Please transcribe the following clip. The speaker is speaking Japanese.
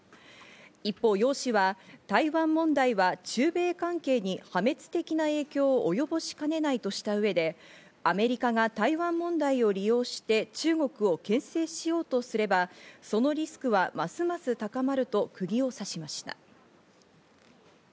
一方、ヨウ氏は台湾問題は中米関係に破滅的な影響をおよぼしかねないとした上で、アメリカが台湾問題を利用して、中国を牽制しようとすれば、そのリスクはますます高まるとクギを刺しました。